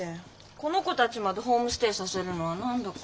この子たちまでホームステイさせるのは何だか。